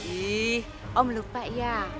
ih om lupa ya